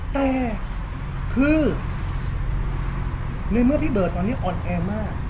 แต่คือในเมื่อพี่เบิร์ตตอนนี้อ่อนแอมาก